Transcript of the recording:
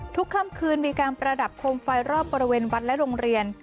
ค่ำคืนมีการประดับโคมไฟรอบบริเวณวัดและโรงเรียน